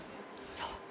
そう。